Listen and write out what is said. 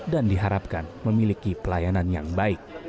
dan diharapkan memiliki pelayanan yang baik